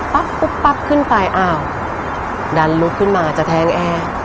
ปุ๊บปั๊บขึ้นไปอ้าวดันลุกขึ้นมาจะแทงแอร์